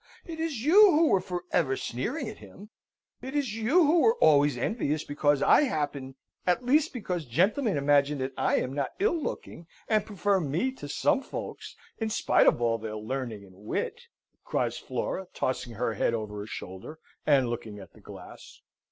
It is you who were for ever sneering at him: it is you who are always envious because I happen at least, because gentlemen imagine that I am not ill looking, and prefer me to some folks, in spite of all their learning and wit!" cries Flora, tossing her head over her shoulder, and looking at the glass.